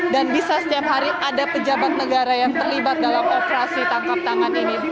dan bisa setiap hari ada pejabat negara yang terlibat dalam operasi tangkap tangan ini